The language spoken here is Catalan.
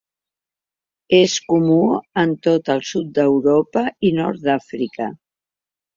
És comú en tot el sud d'Europa i Nord d'Àfrica.